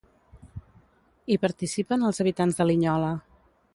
Hi participen els habitants de Linyola.